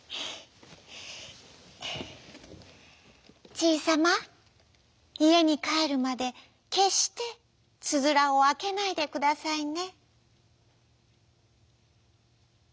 「じいさまいえにかえるまでけっしてつづらをあけないでくださいね」。